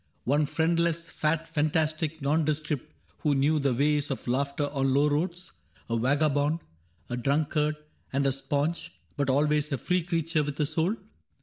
One friendless, fat, fantastic nondescript Who knew the ways of laughter on low roads, — A vagabond, a drunkard, and a sponge. But always a free creature with a soul